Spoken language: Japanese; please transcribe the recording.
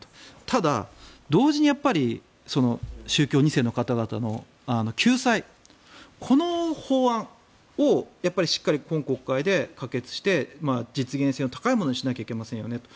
ただ、同時に宗教２世の方々の救済この法案をしっかり今国会で可決して実現性の高いものにしなきゃいけませんよねと。